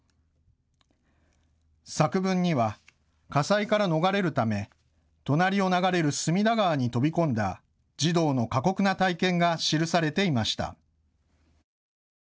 作文には、火災から逃れるため隣を流れる隅田川に飛び込んだ児童の過酷な体験が記されていました。